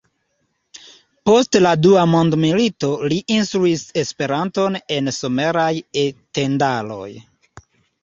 Post la dua mondmilito li instruis Esperanton en someraj E-tendaroj.